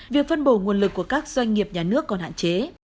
việc phân bổ nguồn lực của các doanh nghiệp nhà nước còn hạn chế